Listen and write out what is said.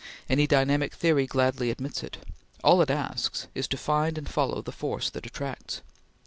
Any dynamic theory gladly admits it. All it asks is to find and follow the force that attracts.